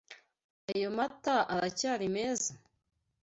Ayo mata aracyari meza?